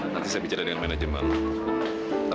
nanti saya bicara dengan manajemen